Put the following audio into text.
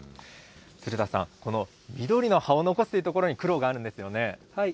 鶴田さん、この緑の葉を残すというところに、苦労があるんですよはい。